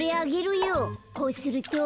こうすると。